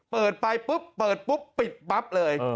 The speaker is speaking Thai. เปิดไปปุ๊บเปิดปุ๊บปิดปั๊บเลย